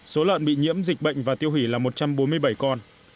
số lợn bị nhiễm dịch bệnh và tiêu hủy là một trăm bốn mươi bảy con